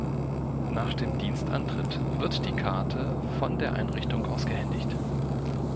Nach dem Dienstantritt wird die Karte von der Einrichtung ausgehändigt.